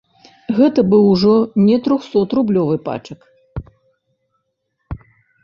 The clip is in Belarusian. Гэта быў ужо не трохсотрублёвы пачак.